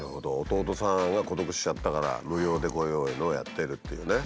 弟さんが孤独死しちゃったから無料でこういうのをやっているっていうね。